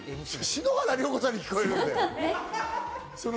篠原涼子ちゃんに聞こえるね。